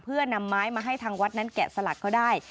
เพื่อนำไม้มาให้ทางวัดนั้นแกะสลักเขาได้